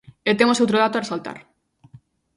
E temos outro dato a resaltar.